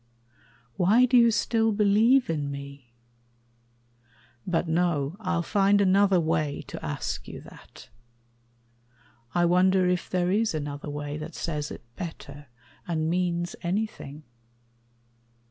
Why do you still believe in me? But no, I'll find another way to ask you that. I wonder if there is another way That says it better, and means anything.